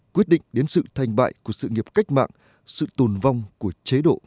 quyết định đến sự thành bại của sự nghiệp cách mạng sự tồn vong của chế độ